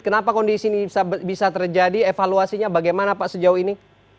kenapa kondisi ini bisa terjadi evaluasinya bagaimana pak sejauh ini